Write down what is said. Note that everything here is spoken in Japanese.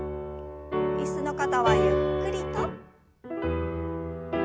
椅子の方はゆっくりと。